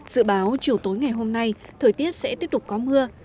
dự báo chiều tối ngày hôm nay thời tiết sẽ tiếp tục có mưa